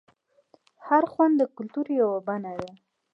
هر خوند د کلتور یوه بڼه ده.